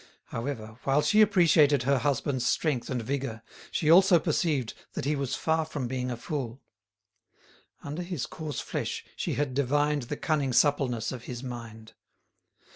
However, while she appreciated her husband's strength and vigour, she also perceived that he was far from being a fool; under his coarse flesh she had divined the cunning suppleness of his mind.